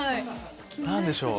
何でしょう？